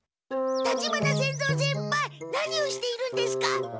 立花仙蔵先輩何をしているんですか？